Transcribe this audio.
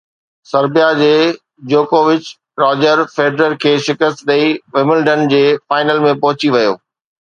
Serbia جي جوڪووچ Roger Federer کي شڪست ڏئي ومبلڊن جي فائنل ۾ پهچي ويو